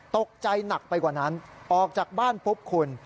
ตกใจหนักไปกว่านั้นออกจากบ้านปุ๊บคุณ